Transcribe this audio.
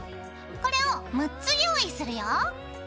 これを６つ用意するよ。